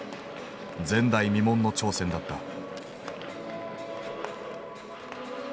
前代未聞の挑戦だった。